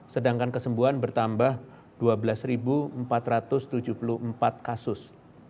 sedangkan kesembuhan bertambah dua belas empat ratus tujuh puluh empat kasus